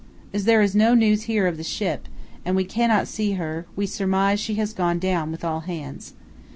As there is no news here of the ship, and we cannot see her, we surmise she has gone down with all hands.